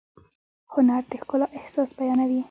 هنر د ښکلا احساس بیانوي.